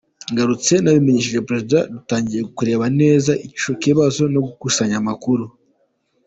Ngarutse nabimenyesheje Perezida dutangira kureba neza icyo kibazo no gukusanya amakuru.